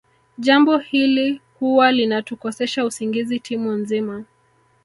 Jambo hili huwa linatukosesha usingizi timu nzima